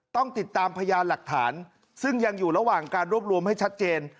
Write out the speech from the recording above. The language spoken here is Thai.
ต้องติดตามพยานหลักฐานซึ่งยังอยู่ระหว่างการรวบรวมให้ชัดเจน